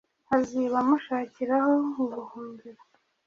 azi abamushakiraho ubuhungiro